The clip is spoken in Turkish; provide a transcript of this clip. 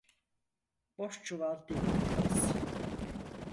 Boş çuval dik durmaz.